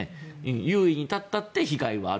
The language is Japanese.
優位に立ったって被害はある。